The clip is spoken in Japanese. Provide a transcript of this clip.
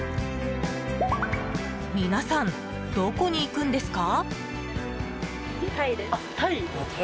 皆さん、どこに行くんですか？